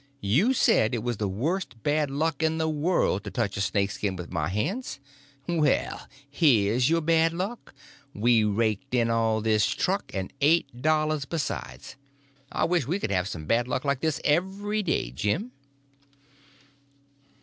You said it was the worst bad luck in the world to touch a snake skin with my hands. Well, here's your bad luck! We've raked in all this truck and eight dollars besides. I wish we could have some bad luck like this every day, Jim."